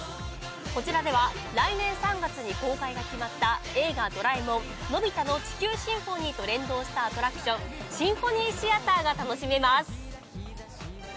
こちらでは来年３月に公開が決まった「映画ドラえもんのび太の地球交響楽」と連動したアトラクション交響楽シアターが楽しめます。